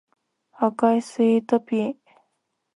赤いスイートピー